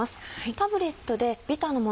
タブレットでビターのもの